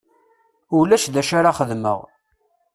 Ulac d acu ara xedmeɣ.